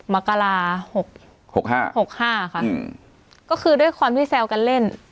มกราหกหกห้าหกห้าค่ะอืมก็คือด้วยความที่แซวกันเล่น